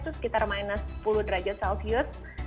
itu sekitar minus sepuluh derajat celcius